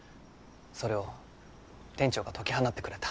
それを店長が解き放ってくれた。